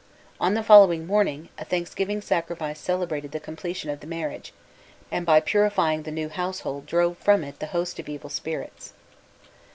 On the following morning, a thanksgiving sacrifice celebrated the completion of the marriage, and by purifying the new household drove from it the host of evil spirits.